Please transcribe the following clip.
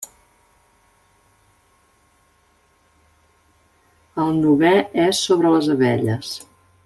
El novè és sobre les abelles.